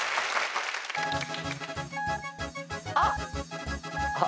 あっ！